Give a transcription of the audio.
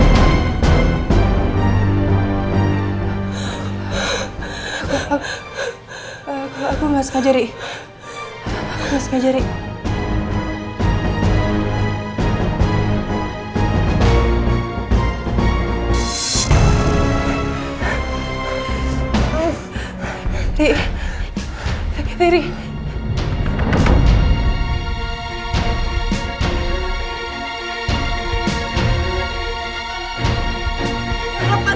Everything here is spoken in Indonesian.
lepasin aku cepet